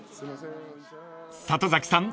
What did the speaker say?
［里崎さん